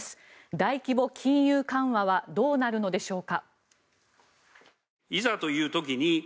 大規模金融緩和はどうなるのでしょうか。